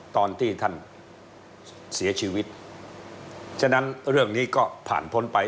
ตอนที่ท่านเสียชีวิตฉะนั้นเรื่องนี้ก็ผ่านพ้นไป